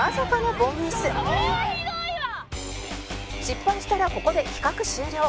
失敗したらここで企画終了